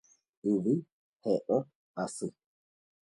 Yvy he'õ asy